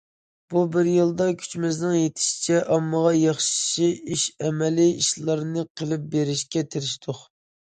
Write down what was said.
بۇ بىر يىلدا كۈچىمىزنىڭ يېتىشىچە ئاممىغا ياخشى ئىش، ئەمەلىي ئىشلارنى قىلىپ بېرىشكە تىرىشتۇق.